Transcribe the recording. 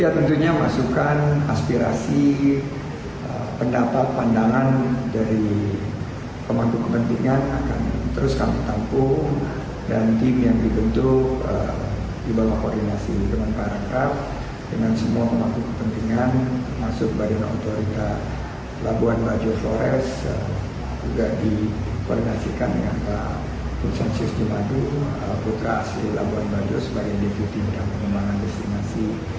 konsensus jemadu putra asli labuhan bajo sebagai defisi tentang pengembangan destinasi